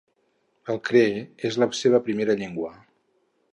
El cree és la seva primera llengua.